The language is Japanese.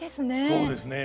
そうですね。